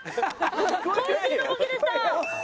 渾身のボケでした！